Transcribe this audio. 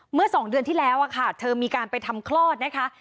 เมื่อ๒เดือนที่แล้วค่ะเธอมีการไปทำคลอดนะคะ